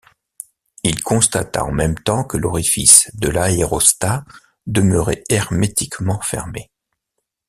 Il constata en même temps que l’orifice de l’aérostat demeurait hermétiquement fermé.